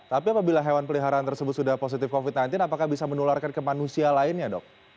tapi apabila hewan peliharaan tersebut sudah positif covid sembilan belas apakah bisa menularkan ke manusia lainnya dok